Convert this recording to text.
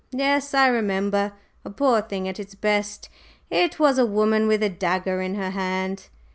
"Yes, I remember. A poor thing at its best. It was a woman with a dagger in her hand."